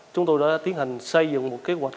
chúng tôi đã tiến hành xây dựng một kế hoạch